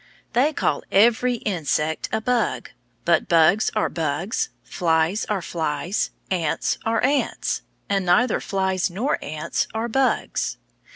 They call every insect a "bug," but bugs are bugs, flies are flies, ants are ants, and neither flies nor ants are bugs.